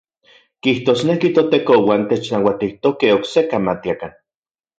Kijtosneki ToTekouan technauatijtokej oksekan matiakan.